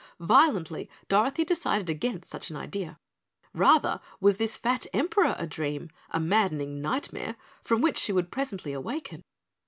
Violently Dorothy decided against such an idea. Rather was this fat emperor a dream a maddening nightmare from which she would presently awaken.